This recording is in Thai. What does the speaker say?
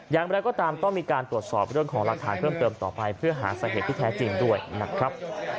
อย่างไรก็ตามต้องมีการตรวจสอบเรื่องของหลักฐานเพิ่มเติมต่อไปเพื่อหาสาเหตุที่แท้จริงด้วยนะครับ